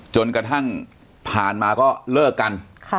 จนกระทั่งผ่านมาเริ่อกัน